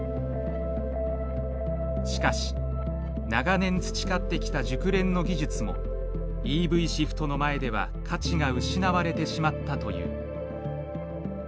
しかし長年培ってきた熟練の技術もＥＶシフトの前では価値が失われてしまったという。